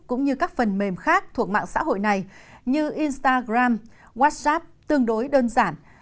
cũng như các phần mềm khác thuộc mạng xã hội này như instagram whatsapp tương đối đơn giản